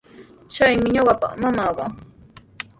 Chaymi ñuqapa mamaaqa.